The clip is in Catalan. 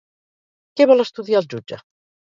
Què vol estudiar el jutge?